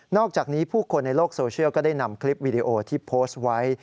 อกจากนี้ผู้คนในโลกโซเชียลก็ได้นำคลิปวิดีโอที่โพสต์ไว้